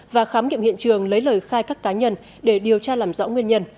và khám nghiệm hiện trường lấy lời khai các cá nhân để điều tra làm rõ nguyên nhân